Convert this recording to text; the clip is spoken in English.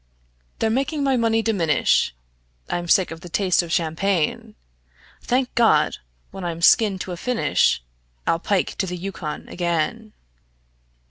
They're making my money diminish; I'm sick of the taste of champagne. Thank God! when I'm skinned to a finish I'll pike to the Yukon again.